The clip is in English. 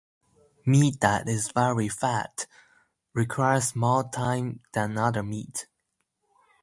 Meat that is very fat requires more time than other meat.